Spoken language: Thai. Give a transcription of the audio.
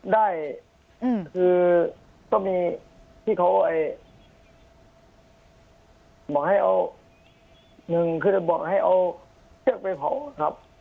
ได้คือก็มีที่เขาบอกให้เอาหนึ่งคือจะบอกให้เอาเชือกไปเผาครับ